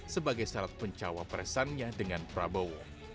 sebagai syarat pencawa presannya dengan prabowo